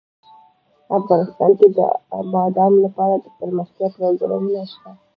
افغانستان کې د بادام لپاره دپرمختیا پروګرامونه شته.